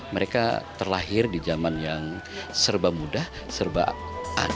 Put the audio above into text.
mereka terlahir di zaman yang serba mudah serba ada